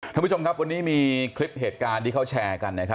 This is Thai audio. ท่านผู้ชมครับวันนี้มีคลิปเหตุการณ์ที่เขาแชร์กัน